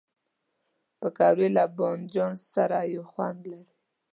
پکورې له بادنجان سره یو خوند لري